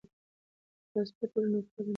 که پاسپورټ ولرو نو پوله نه بندیږي.